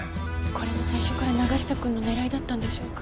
これも最初から永久くんの狙いだったんでしょうか？